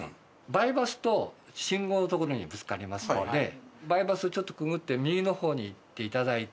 バイパスと信号の所にぶつかりますのでバイパスをちょっとくぐって右の方に行っていただいて。